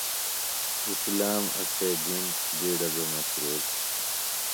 اسلام اسے دین بِیڈہ بےۡ مسرور۔